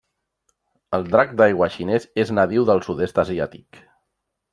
El drac d'aigua xinès és nadiu del sud-est asiàtic.